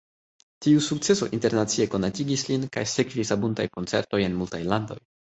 Tiu sukceso internacie konatigis lin, kaj sekvis abundaj koncertoj en multaj landoj.